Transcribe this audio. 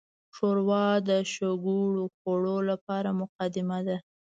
ښوروا د شګوړو خوړو لپاره مقدمه ده.